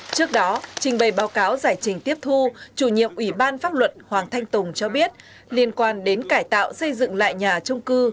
trước đó trình bày báo cáo giải trình tiếp thu chủ nhiệm ủy ban pháp luật hoàng thanh tùng cho biết liên quan đến cải tạo xây dựng lại nhà trung cư